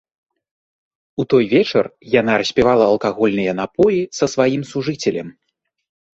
У той вечар яна распівала алкагольныя напоі са сваім сужыцелем.